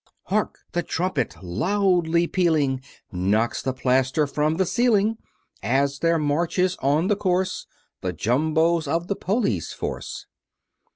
Hark, the trumpet loudly pealing Knocks the plaster from the ceiling, As there marches on the course The Jumbos of the police force.